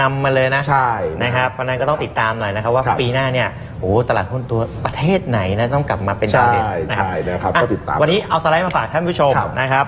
อ๋อมาก่อนเลยนำมาเลย